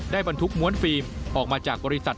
บรรทุกม้วนฟิล์มออกมาจากบริษัท